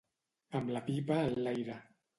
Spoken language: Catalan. Amb la pipa enlaire.